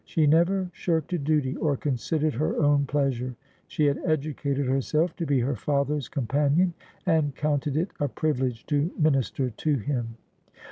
She never shirked a duty, or considered her own pleasure. She had educated herself to be her father's com panion, and counted it a privilege to minister to him.